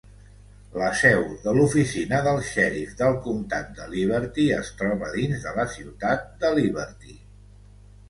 La seu de l'oficina del xèrif del comtat de Liberty es troba dins de la ciutat de Liberty.